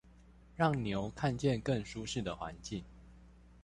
讓牛看見更舒適的環境